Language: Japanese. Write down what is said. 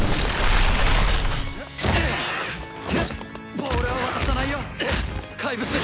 ボールは渡さないよ怪物！